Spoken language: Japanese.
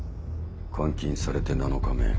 「監禁されて７日目。